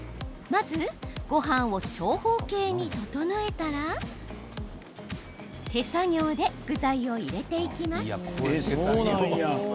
まず、ごはんを長方形に整えたら手作業で具材を入れていきます。